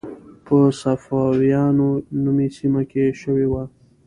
په صافیانو نومي سیمه کې شوې وه.